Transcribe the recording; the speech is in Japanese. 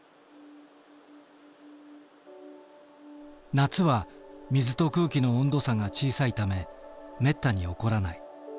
夏は水と空気の温度差が小さいためめったに起こらない。